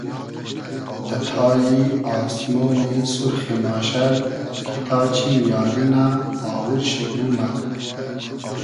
دۂ تای آسمۉنی سورخی ماشئر کی تا چیم یاری نۂ آوور شی گومۂ